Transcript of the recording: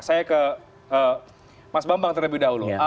saya ke mas bambang terlebih dahulu